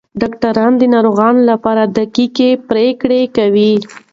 ډاکټران د ناروغانو لپاره دقیقې پریکړې کوي.